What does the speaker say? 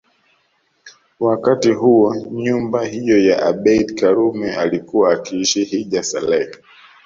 Wakati huo nyumba hiyo ya Abeid Karume alikuwa akiishi Hija Saleh